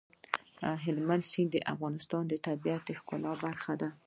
هلمند سیند د افغانستان د طبیعت د ښکلا برخه ده.